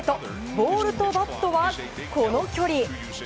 ボールとバットは、この距離。